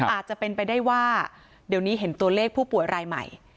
อาจจะเป็นไปได้ว่าเดี๋ยวนี้เห็นตัวเลขผู้ป่วยรายใหม่